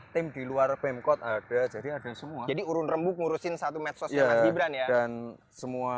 tim di luar pemkot ada jadi ada semua jadi urun rembuk ngurusin satu medsos dengan gibran ya dan semua